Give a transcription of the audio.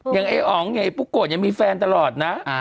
ไอ้อ๋องไอ้ปุ๊กโกะยังมีแฟนตลอดนะ